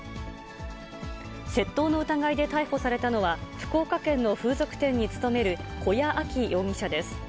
窃盗の疑いで逮捕されたのは、福岡県の風俗店に勤める古屋亜希容疑者です。